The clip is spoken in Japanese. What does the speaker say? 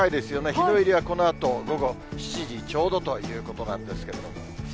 日の入りはこのあと午後７時ちょうどということなんですけれども。